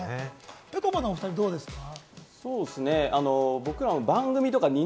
ぺこぱのお２人どうですか？